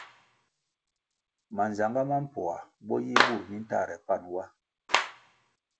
Manzagá ma mpoa bo yi bur mi ntahre pan wa.